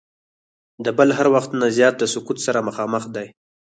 د بل هر وخت نه زیات د سقوط سره مخامخ دی.